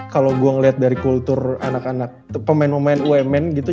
kalau gue ngeliat dari kultur anak anak pemain pemain umn gitu